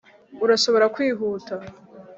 Urashobora kwihuta